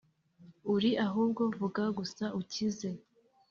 uri Ahubwo vuga gusa ukize